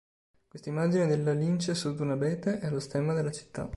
Questa immagine della lince sotto un abete è lo stemma della città.